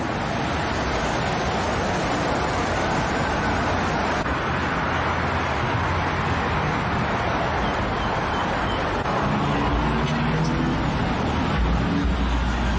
สวัสดีครับ